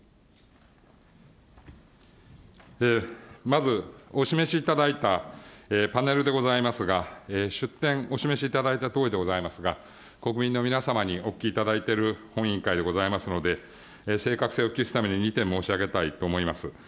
まず、お示しいただいたパネルでございますが、出典お示しいただいたとおりでございますが、国民の皆様にお聞きいただいている本委員会でございますので、正確性を期すために、２点申し上げたいと思います。